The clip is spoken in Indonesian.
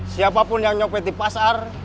siapapun yang nyopet di pasar